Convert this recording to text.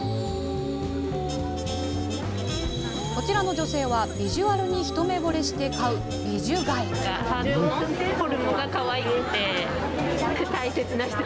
こちらの女性はヴィジュアルに一目ぼれして買うビジュ買い。